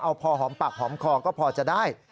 เอาพอหอมปากหอมคอก็พอจะได้